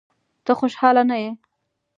ته خوشاله نه یې؟